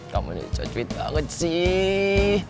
kamu jadi cocuit banget sih